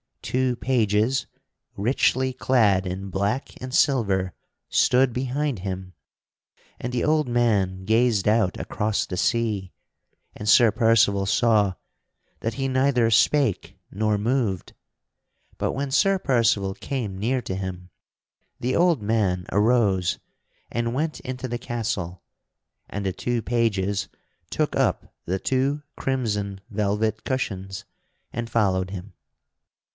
Two pages, richly clad in black and silver, stood behind him; and the old man gazed out across the sea, and Sir Percival saw that he neither spake nor moved. But when Sir Percival came near to him the old man arose and went into the castle, and the two pages took up the two crimson velvet cushions and followed him.